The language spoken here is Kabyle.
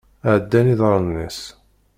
Ɛeddan iḍarren-is.